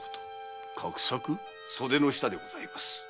袖の下でございます。